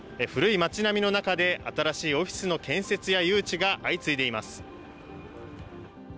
古い町並みの中で、新しいオフィスの建設や誘致が相次いでいます。